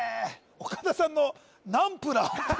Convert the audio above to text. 岡田さんのナンプラー